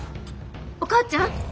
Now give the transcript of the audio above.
お母ちゃん？